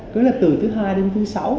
tức là từ thứ hai đến thứ sáu